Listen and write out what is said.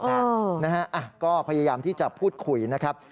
นะฮะก็พยายามที่จะพูดคุยนะครับ